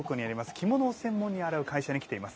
着物を専門に洗う会社に来ています。